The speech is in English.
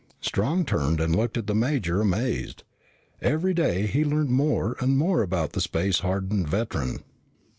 Strong turned and looked at the major, amazed. Every day he learned more and more about the space hardened veteran.